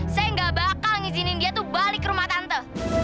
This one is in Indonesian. saya gak bakal ngizinin dia tuh balik rumah tante